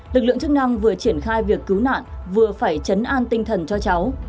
lực lượng chức năng vừa triển khai việc cứu nạn vừa phải chấn an tinh thần cho cháu